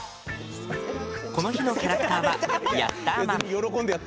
この日のキャラクターは「ヤッターマン」。